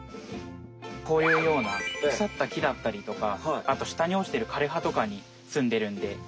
こういうようなくさった木だったりとかあとしたに落ちてるかれ葉とかにすんでるんで。